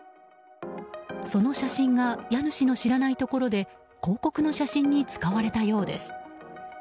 その写真が家主の知らないところで広告の写真に使われたようです。